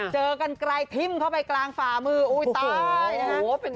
เจอกันไกลทิ้มเข้าไปกลางฝ่ามืออุ้ยตายนะฮะ